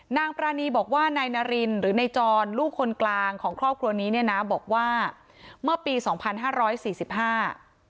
นางปรานีบอกว่านายนารินหรือนายจรลูกคนกลางของครอบครัวนี้เนี่ยนะบอกว่าเมื่อปีสองพันห้าร้อยสี่สิบห้า